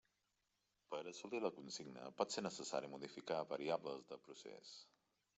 Per assolir la consigna pot ser necessari modificar variables de procés.